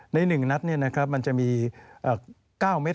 ในหนึ่งนัดนี่นะครับมันจะมี๙เม็ด